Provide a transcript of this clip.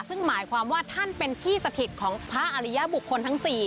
ซึ่งหมายความว่าท่านเป็นที่สถิตของพระอริยบุคคลทั้ง๔